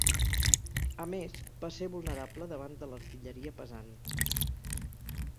A més, va ser vulnerable davant de l'artilleria pesant.